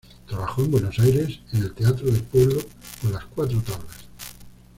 Trabajó en Buenos Aires en el Teatro del Pueblo con "Las Cuatro Tablas".